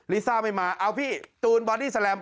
ลิซ่าไม่มาเอาพี่ตูนบอดี้แลม